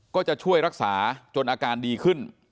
ก็จะช่วยรักษาจนอาการดีขึ้น